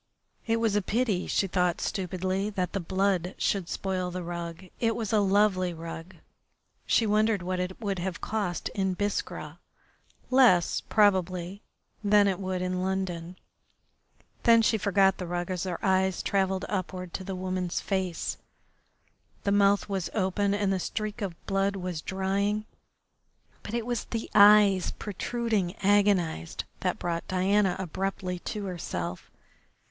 It was a pity, she thought stupidly, that the blood should spoil the rug. It was a lovely rug. She wondered what it would have cost in Biskra less, probably, than it would in London. Then she forgot the rug as her eyes travelled upward to the woman's face. The mouth was open and the streak of blood was drying, but it was the eyes, protruding, agonised, that brought Diana abruptly to herself.